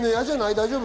大丈夫？